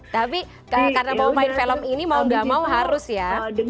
tapi karena mau main film ini mau gak mau harus ya